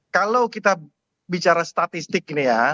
kalau kita bicara statistik ini ya